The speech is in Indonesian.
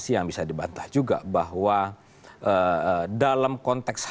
ini sudah panas